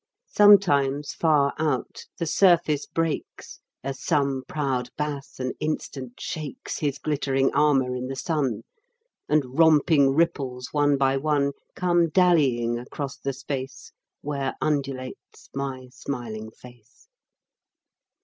Sometimes, far out, the surface breaks, As some proud bass an instant shakes His glittering armor in the sun, And romping ripples, one by one, Come dallyiong across the space Where undulates my smiling face.